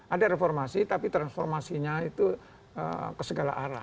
ada reformasi tapi transformasinya itu ke segala arah